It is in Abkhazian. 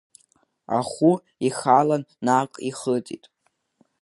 Ахәы ихалан, наҟ ихыҵит.